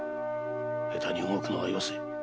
下手に動くのはよせ。